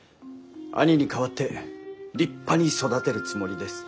兄に代わって立派に育てるつもりです。